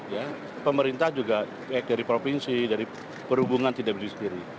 jadi pemerintah juga baik dari provinsi dari perhubungan tidak berdiri sendiri